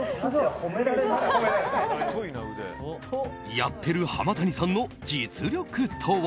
やってる浜谷さんの実力とは？